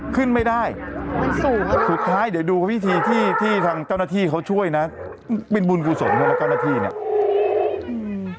ขึ้นไม่ได้สุดท้ายเดี๋ยวดูวิธีที่ทางเจ้าหน้าที่เขาช่วยนะเป็นบุญภูมิส่วนเงาและเจ้าหน้าที่เนี่ย